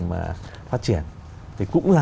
mà phát triển thì cũng là